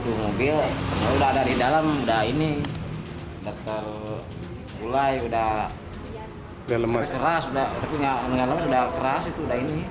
aku mobil udah ada di dalam udah ini udah terulai udah keras udah keras itu udah ini